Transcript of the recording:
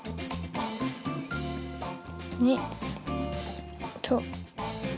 ２と。